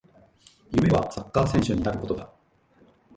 夢はサッカー選手になることだ